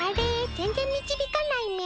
全然導かないみゃ。